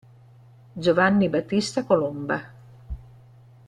Giovanni Battista Colomba